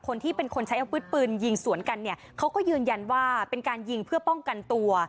คนที่เป็นคนใช้อาวุธปืนยิงสวนกันเนี่ยเขาก็ยืนยันว่าเป็นการยิงเพื่อป้องกันตัว